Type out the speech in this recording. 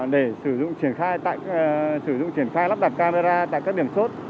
để sử dụng triển khai lắp đặt camera tại các điểm sốt